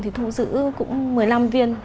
thì thu giữ cũng một mươi năm viên